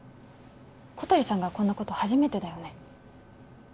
小鳥さんがこんなこと初めてだよね